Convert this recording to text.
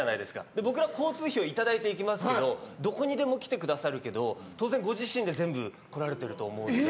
僕らは交通費をいただいて行きますけどどこにでも来てくださるけど当然、ご自身で全部来られてると思うので。